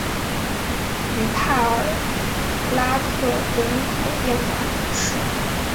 于帕尔拉克人口变化图示